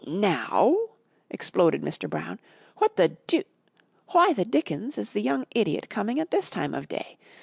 "Now?" exploded Mr. Brown. "What the deu why the dickens is the young idiot coming at this time of day?